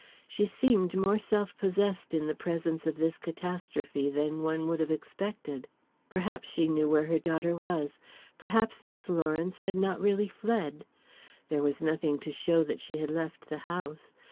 She seemed more self possessed in the presence of this catastrophe than one would have expected. Perhaps she knew where her daughter was; perhaps Miss Lawrence had not really fled. There was nothing to show that she had left the house.